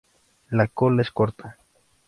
La cola es corta.